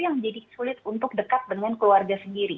yang jadi sulit untuk dekat dengan keluarga sendiri